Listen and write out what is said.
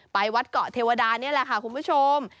ไปวัดเกาะเทวดานี่แหละค่ะคุณผู้ชม